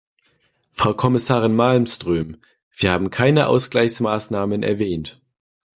Frau Kommissarin Malmström, wir haben keine Ausgleichsmaßnahmen erwähnt.